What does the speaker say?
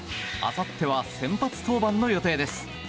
あさっては先発登板の予定です。